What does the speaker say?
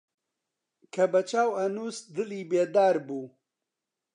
کە بە چاو ئەنووست دڵی بێدار بوو